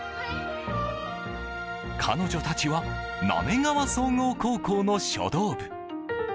彼女たちは滑川総合高校の書道部。